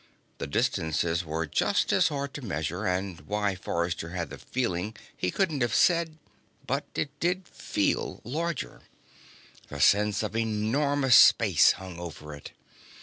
The distances were just as hard to measure, and why Forrester had the feeling, he couldn't have said, but it did feel larger. The sense of enormous space hung over it.